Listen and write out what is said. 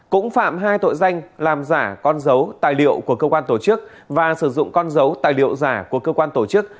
cũng phạm hai tội danh làm giả con dấu tài liệu của cơ quan tổ chức và sử dụng con dấu tài liệu giả của cơ quan tổ chức